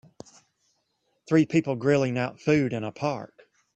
Three people grilling out food in a park.